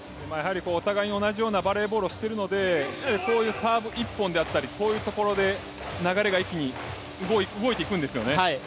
お互い同じようなバレーボールをしているのでこういうサーブ一本であったりこういうところで流れが一気に動いていくんですよね。